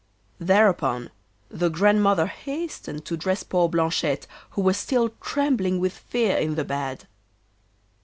Thereupon the Grandmother hastened to dress poor Blanchette, who was still trembling with fear in the bed.